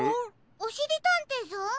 おしりたんていさん？